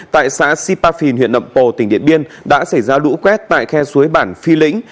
tại xã sipafin huyện nậm pồ tỉnh điện biên đã xảy ra lũ quét tại khe suối bản phi lĩnh